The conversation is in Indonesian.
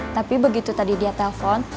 tapi begitu tadi dia telpon